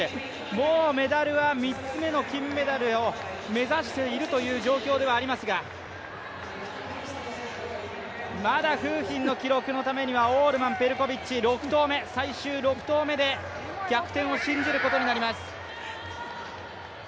もうメダルは３つ目の金メダルを目指しているという状況ではありますがまだ馮彬の記録のためにはオールマン、ペルコビッチ、６投目、最終６投目で逆転を信じることになります。